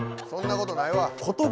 そんなことないわ！